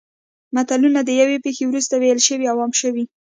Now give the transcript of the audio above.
متلونه د یوې پېښې وروسته ویل شوي او عام شوي